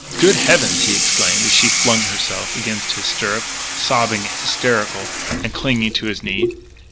"Good heavens!" he exclaimed as she flung herself against his stirrup, sobbing, hysterical, and clinging to his knee.